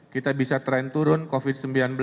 kita bisa tren turun covid sembilan belas